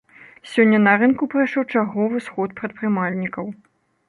Сёння на рынку прайшоў чарговы сход прадпрымальнікаў.